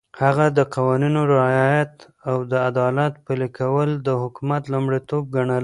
هغه د قوانينو رعایت او د عدالت پلي کول د حکومت لومړيتوب ګڼله.